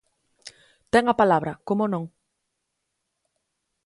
Ten a palabra, como non.